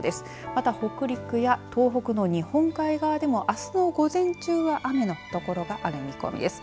また、北陸や東北の日本海側でもあすの午前中は雨の所がある見込みです。